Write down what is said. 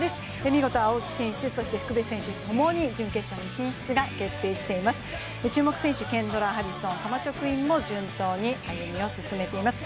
見事青木選手、福部選手ともに準決勝進出が決まっています。